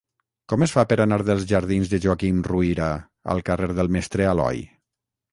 Com es fa per anar dels jardins de Joaquim Ruyra al carrer del Mestre Aloi?